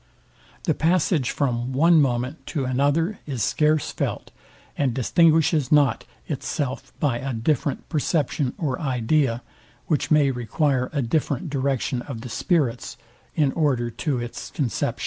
The passage from one moment to another is scarce felt, and distinguishes not itself by a different perception or idea, which may require a different direction of the spirits, in order to its conception.